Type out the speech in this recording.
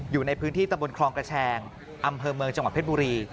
อยู่ในพื้นที่ตะบนคลองกระแชงอำเภอเมืองจังหวัดเพชรบุรี